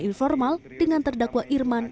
untuk mencari keputusan untuk mencari keputusan